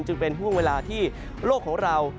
เป็นห่วงเวลาที่โลกของเรา